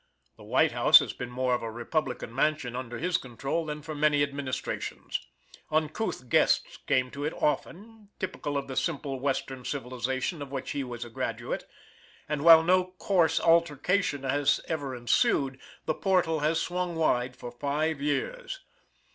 The White House has been more of a Republican mansion under his control than for many administrations. Uncouth guests came to it often, typical of the simple western civilization of which he was a graduate, and while no coarse altercation has ever ensued, the portal has swung wide for five years.